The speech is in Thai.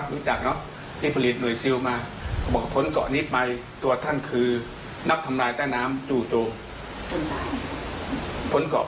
เมื่อกี๊ขอมันกลายทุกส่วนอัตเรามาและครอบครัว